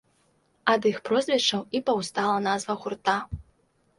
Ад іх прозвішчаў і паўстала назва гурта.